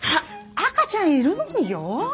赤ちゃんいるのによ。